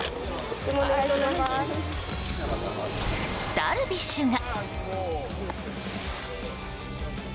ダルビッシュが！